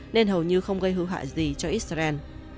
nên hầu như không gây hữu hạ gì cho israel